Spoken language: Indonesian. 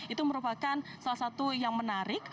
itu merupakan salah satu yang menarik